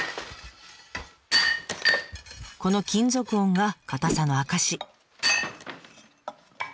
この金属音が硬さの証し。